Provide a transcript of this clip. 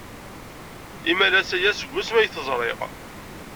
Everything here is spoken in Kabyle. Imalas aya seg wasmi ay t-ẓriɣ.